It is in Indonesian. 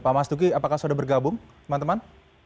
pak mas duki apakah sudah bergabung teman teman